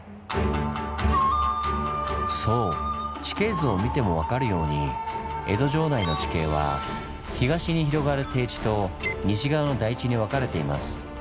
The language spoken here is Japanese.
地形図を見ても分かるように江戸城内の地形は東に広がる低地と西側の台地に分かれています。